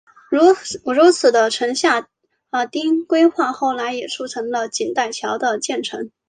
如此的城下町规划后来也促成了锦带桥的建成。